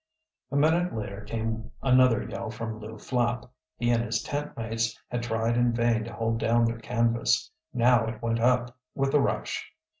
A minute later came another yell from Lew Flapp. He and his tent mates had tried in vain to hold down their canvas. Now it went up with a rush.